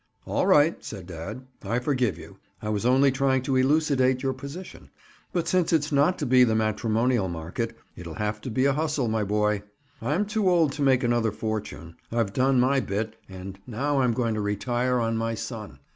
"All right," said dad. "I forgive you. I was only trying to elucidate your position. But since it's not to be the matrimonial market, it'll have to be a hustle, my boy. I'm too old to make another fortune. I've done my bit and now I'm going to retire on my son.